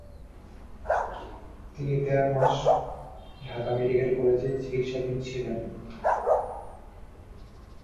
তিনি দেড় মাস ঢাকা মেডিকেল কলেজে চিকিৎসাধীন ছিলেন।